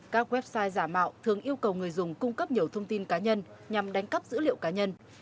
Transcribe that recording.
các website giả mạo thường yêu cầu người dùng cung cấp nhiều thông tin cá nhân nhằm đánh cắp dữ liệu cá nhân